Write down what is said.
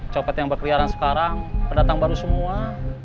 copet yang berkeliaran sekarang perdatang baru semua